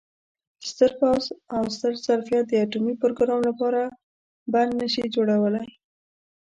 ستر پوځ او ستر ظرفیت د اټومي پروګرام لپاره بند نه شي جوړولای.